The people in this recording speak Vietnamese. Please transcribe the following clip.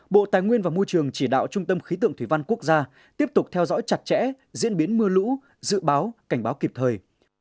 bộ tài nguyên và môi trường chỉ đạo trung tâm khí tượng thủy văn quốc gia tiếp tục theo dõi chặt chẽ diễn biến mưa lũ dự báo cảnh báo kịp thời